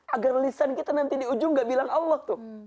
agar lisan kita nanti di ujung gak bilang allah tuh